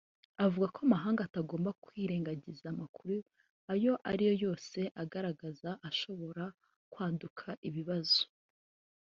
avuga ko amahanga atagomba kwirengagiza amakuru ayo ari yo yose agaragaza ahashobora kwaduka ibibazo